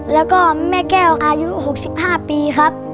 แล้วก็แม่แก้วอายุ๖๕ปีครับ